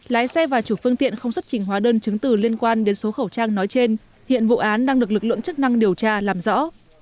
lái xe và chủ phương tiện không xuất trình hóa đơn chứng từ liên quan đến số khẩu trang nói trên hiện vụ án đang được lực lượng chức năng điều tra làm rõ